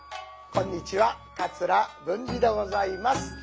こんにちは桂文治でございます。